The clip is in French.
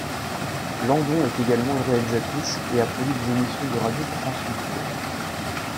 Landon est également réalisatrice et a produit des émissions de radio pour France Culture.